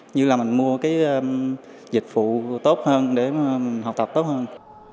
như là mình mua cái dịch vụ tốt hơn để học tập tốt hơn